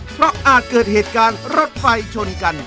เพราะอาจเกิดเหตุการณ์รถไฟชนกัน